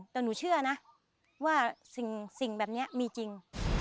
แต่หนูเชื่อนะว่าสิ่งแบบนี้มีจริง